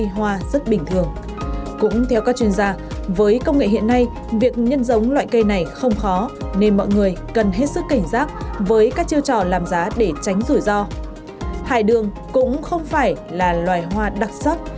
hải đường cũng không phải là loài hoa đặc sắc